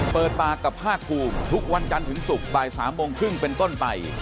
เปิดปากกับภาคภูมิทุกวันจันทร์ถึงศุกร์บ่าย๓โมงครึ่งเป็นต้นไป